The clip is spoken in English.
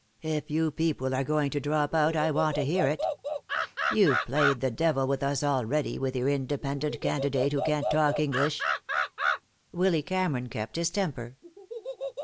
If you people are going to drop out, I want to hear it. You've played the devil with us already, with your independent candidate who can't talk English." Willy Cameron kept his temper.